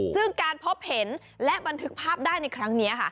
ซึ่งการพบเห็นและบันทึกภาพได้ในครั้งนี้ค่ะ